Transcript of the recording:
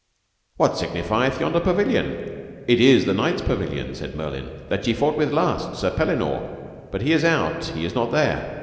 What signifieth yonder pavilion? It is the knight's pavilion, said Merlin, that ye fought with last, Sir Pellinore; but he is out, he is not there.